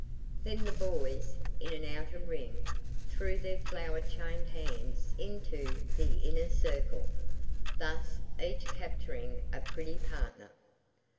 Then the boys, in an outer ring, threw their flower chained hands into the inner circle, thus each capturing a pretty partner.